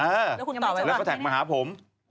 แล้วคุณตอบไว้แล้วก็แถ่งมาหาผม